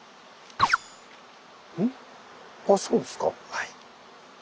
はい。